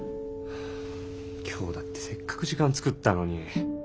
今日だってせっかく時間作ったのに。